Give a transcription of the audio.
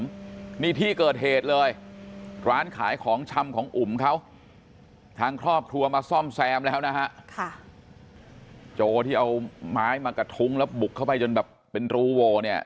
โจที่เอาไม้มากระทุ้งแล้วบุกเข้าไปจนแบบเป็นรูโวเนี่ย